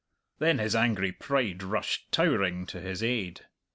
Then his angry pride rushed towering to his aid.